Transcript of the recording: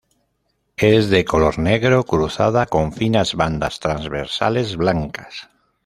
Es de color negro cruzada con finas bandas transversales blancas.